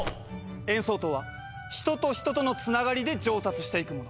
演奏とは人と人とのつながりで上達していくもの。